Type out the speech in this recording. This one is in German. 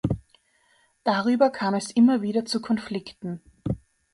Darüber kam es immer wieder zu Konflikten.